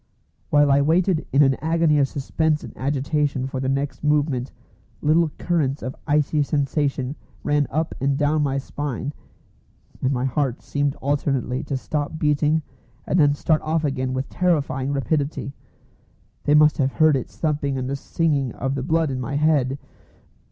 While I waited in an agony of suspense and agitation for their next movement little currents of icy sensation ran up and down my spine and my heart seemed alternately to stop beating and then start off again with terrifying rapidity. They must have heard its thumping and the singing of the blood in my head!